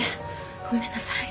ごめんなさい。